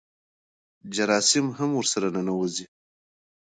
جراثیم هم ورسره ننوځي.